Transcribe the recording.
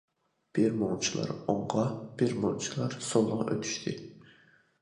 بىر مۇنچىلار ئوڭغا، بىر مۇنچىلار سولغا ئۆتۈشتى.